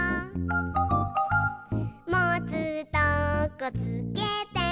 「もつとこつけて」